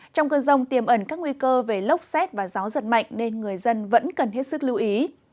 trong cơn rông tiềm ẩn các nguy cơ về lốc xét và gió giật mạnh nên người dân vẫn cần hết sức lưu ý